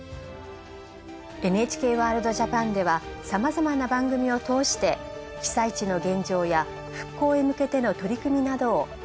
「ＮＨＫワールドＪＡＰＡＮ」ではさまざまな番組を通して被災地の現状や復興へ向けての取り組みなどを世界に伝えてまいります。